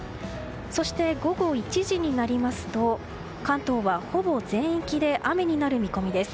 そして午後１時になりますと関東は、ほぼ全域で雨になる見込みです。